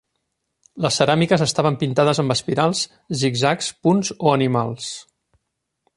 Les ceràmiques estaven pintades amb espirals, zigzags, punts o animals.